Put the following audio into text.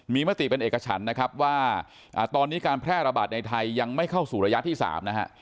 มีมติเป็นเอกฉันนะครับว่าตอนนี้การแพร่ระบาดในไทยยังไม่เข้าสู่ระยะที่๓นะฮะ